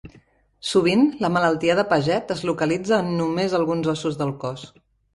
Sovint la malaltia de Paget es localitza en només alguns ossos del cos.